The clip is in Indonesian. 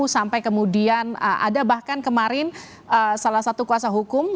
sampai kemudian ada bahkan kemarin salah satu kuasa hukum